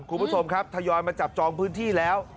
คุณผู้ชมครับทยอยมาจับจองพื้นที่แล้ว